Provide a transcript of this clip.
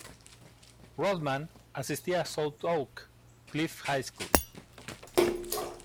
Rodman asistía a South Oak Cliff High School.